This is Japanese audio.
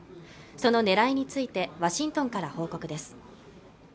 その狙いについてワシントンから報告です